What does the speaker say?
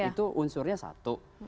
itu unsurnya satu